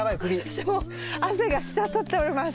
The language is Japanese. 私も汗が滴っております。